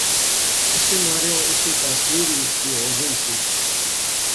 سے ماریاں اس نی یاثیر ایہہ کی ہور جئی سی